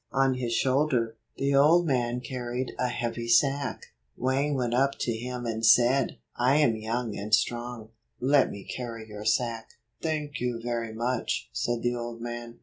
On his shoulder, the old man carried a 49 heavy sack. Wang went up to him and said, "I am young and strong. Let me carry your sack." "Thank you very much," said the old man.